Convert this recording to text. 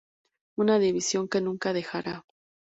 Una división que nunca dejara.